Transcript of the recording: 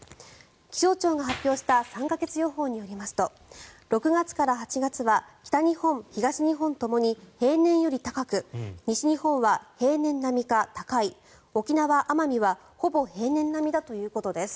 気象庁が発表した３か月予報によりますと６月から８月は北日本、東日本ともに平年より高く西日本は平年並みか高い沖縄・奄美はほぼ平年並みだということです。